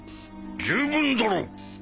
十分だろう！